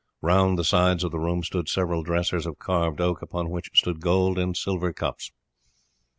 Round the sides of the room stood several dressers of carved oak, upon which stood gold and silver cups.